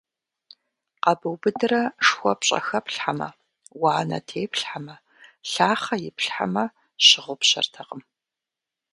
Къэбубыдрэ шхуэ пщӀэхэплъхьэмэ, уанэ теплъхьэмэ, лъахъэ иплъхьэмэ, щыгъупщэртэкъым.